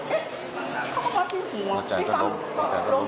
เผาไว้หาที่ผั้ว